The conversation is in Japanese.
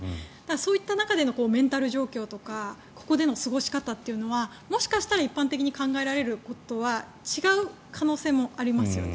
そういった中でのメンタル状況とかここでの過ごし方というのはもしかしたら一般的に考えられることとは違う可能性もありますよね。